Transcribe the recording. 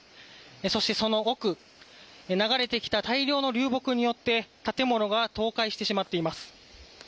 そして、その奥流れてきた大量の流木によって建物が倒壊してしまっています。